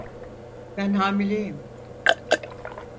Ben hamileyim.